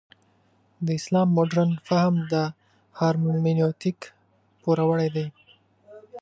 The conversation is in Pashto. د اسلام مډرن فهم د هرمنوتیک پوروړی دی.